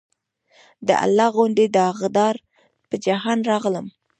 د الله غوندې داغدار پۀ جهان راغلم